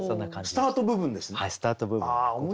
スタート部分ですね？